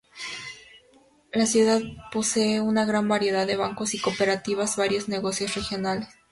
La ciudad posee una gran variedad de bancos y cooperativas, y varios negocios regionales.